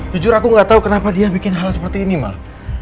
jujur aku gak tahu kenapa dia bikin hal seperti ini mah